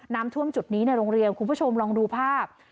น้ำท่วมจุดนี้ในโรงเรียนคุณผู้ชมลองดูภาพ